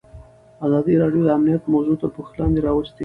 ازادي راډیو د امنیت موضوع تر پوښښ لاندې راوستې.